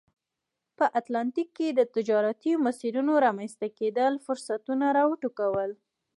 په اتلانتیک کې د تجارتي مسیرونو رامنځته کېدل فرصتونه را وټوکول.